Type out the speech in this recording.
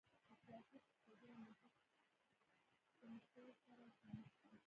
د سیاسي، اقتصادي او امنیتي ستونخو سره مخامخ دی.